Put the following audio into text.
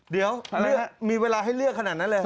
เดี๋ยวมีเวลาให้เลือกขนาดนั้นเลย